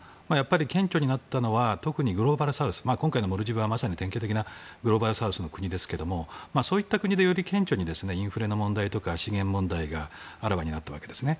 顕著になったのはグローバルサウス今回のモルディブはまさに典型的なグローバルサウスの国ですがそういった国でより顕著にインフレの問題とか資源問題があらわになったわけですね。